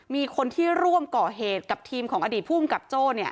มีคนที่ร่วมก่อเหตุกับทีมของอดีตภูมิกับโจ้